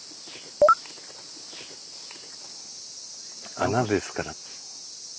穴ですから。